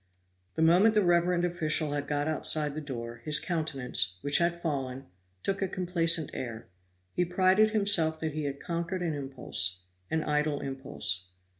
The moment the reverend official had got outside the door, his countenance, which had fallen, took a complacent air. He prided himself that he had conquered an impulse, an idle impulse.